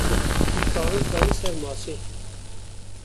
Wî kaxiz danî ser masê.